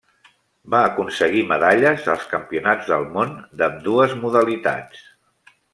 Va aconseguir medalles als campionats del món d'ambdues modalitats.